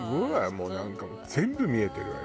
もうなんか全部見えてるわよ。